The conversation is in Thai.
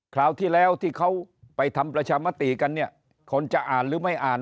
คราวที่แล้วที่เขาไปทำประชามติกันเนี่ยคนจะอ่านหรือไม่อ่าน